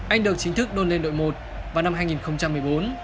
anh được chính thức đun lên đội một vào năm hai nghìn một mươi bốn